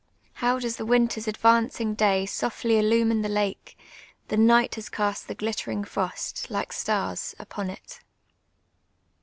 " How docs the winter's advancing day Softly ilhiminc the lake ! The night has cast The glittering fro.st, like stars, upon it.'